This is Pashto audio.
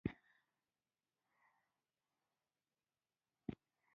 مړه د غمونو په منځ کې یو رڼا وه